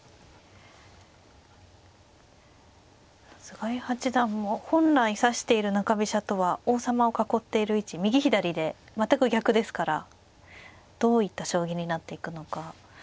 菅井八段も本来指している中飛車とは王様を囲っている位置右左で全く逆ですからどういった将棋になっていくのか。